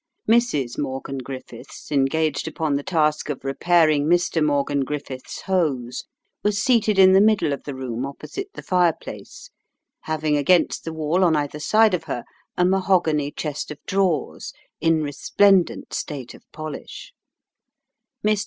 Mrs. Morgan Griffiths, engaged upon the task of repairing Mr. Morgan Griffiths's hose, was seated in the middle of the room opposite the fireplace, having against the wall on either side of her a mahogany chest of drawers in resplendent state of polish.